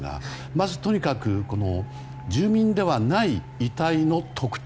まず、とにかく住民ではない遺体の特定。